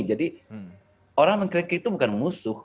jadi orang yang mengkritik itu bukan musuh